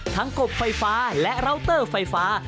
กบไฟฟ้าและราวเตอร์ไฟฟ้า